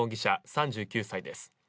３９歳です。